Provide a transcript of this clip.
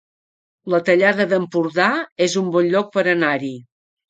La Tallada d'Empordà es un bon lloc per anar-hi